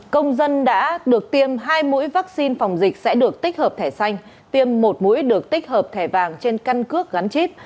công dân đã được tiêm hai mũi vaccine phòng dịch sẽ được tích hợp thẻ xanh tiêm một mũi được tích hợp thẻ vàng trên căn cước gắn chip